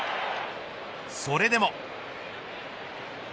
それでも。